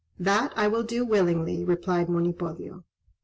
"That I will do willingly," replied Monipodio.